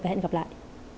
hẹn gặp lại